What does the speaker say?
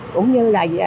cũng như là